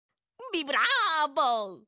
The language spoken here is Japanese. ビブラボ！